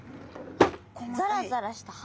あっザラザラした歯。